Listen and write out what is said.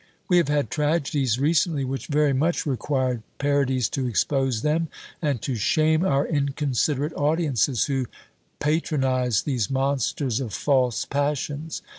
We have had tragedies recently which very much required parodies to expose them, and to shame our inconsiderate audiences, who patronised these monsters of false passions.